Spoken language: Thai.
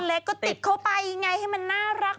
เล็กก็ติดเข้าไปไงให้มันน่ารัก